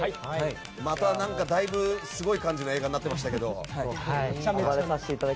またすごい感じの映画になってましたけども。